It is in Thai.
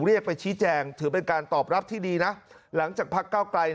เรียกไปชี้แจงถือเป็นการตอบรับที่ดีนะหลังจากพักเก้าไกล